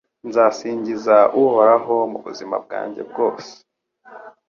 Nzasingiza Uhoraho mu buzima bwanjye bwose